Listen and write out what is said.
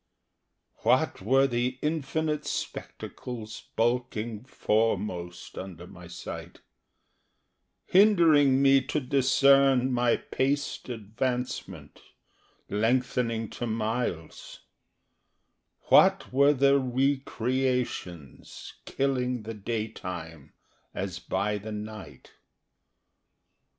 What were the infinite spectacles bulking foremost Under my sight, Hindering me to discern my paced advancement Lengthening to miles; What were the re creations killing the daytime As by the night?